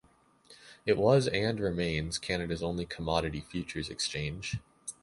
It was, and remains, Canada's only commodity futures exchange.